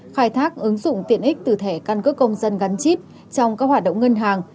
khai thác ứng dụng tiện ích từ thẻ căn cước công dân gắn chip trong các hoạt động ngân hàng